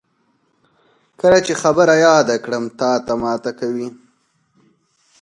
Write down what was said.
کله چې خبره یاده کړم، تاته ماته کوي.